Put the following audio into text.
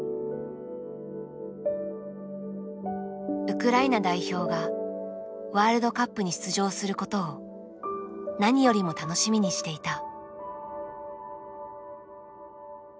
ウクライナ代表がワールドカップに出場することを何よりも楽しみにしていた。